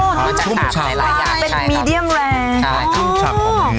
มันจะต่างจากหลายหลายอย่างใช่ครับเป็นเมเดียมแรงใช่ครับคุณจับของเนื้อ